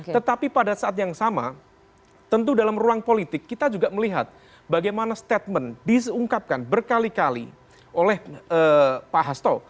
tetapi pada saat yang sama tentu dalam ruang politik kita juga melihat bagaimana statement diseungkapkan berkali kali oleh pak hasto